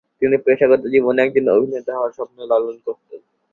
তিনি পেশাগত জীবনে একজন অভিনেতা হওয়ার স্বপ্ন লালন করতেন।